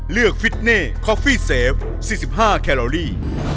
เลือกฟิตเน่คอฟฟี่เซฟสี่สิบห้าแคลอรี่